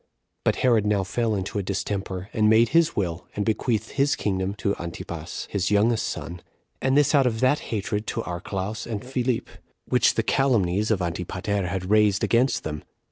But Herod now fell into a distemper, and made his will, and bequeathed his kingdom to [Antipas], his youngest son; and this out of that hatred to Archelaus and Philip, which the calumnies of Antipater had raised against them.